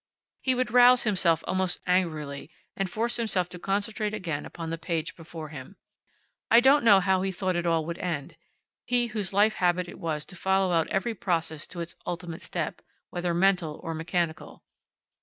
He would rouse himself almost angrily and force himself to concentrate again upon the page before him. I don't know how he thought it all would end he whose life habit it was to follow out every process to its ultimate step, whether mental or mechanical.